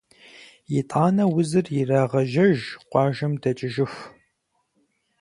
Итӏанэ узыр ирагъэжьэж къуажэм дэкӏыжыху.